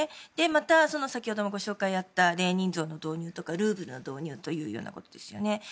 また、先ほどご紹介のあったレーニン像の導入とかルーブルの導入というようなことですよね。